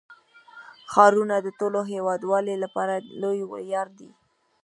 ښارونه د ټولو هیوادوالو لپاره لوی ویاړ دی.